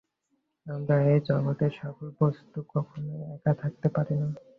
আমরা এই জগতের সকল বস্তু কখনই একা পাইতে পারি না।